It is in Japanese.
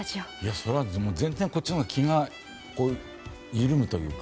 そりゃ全然こっちのほうが気が緩むというか。